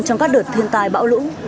trong các đợt thương tai bão lũ